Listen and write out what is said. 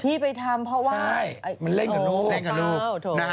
ไปทำเพราะว่ามันเล่นกับลูก